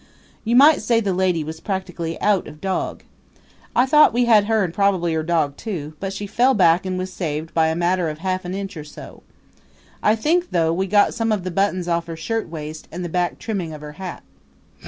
You might say the lady was practically out of dog. I thought we had her and probably her dog too; but she fell back and was saved by a matter of half an inch or so. I think, though, we got some of the buttons off her shirtwaist and the back trimming of her hat.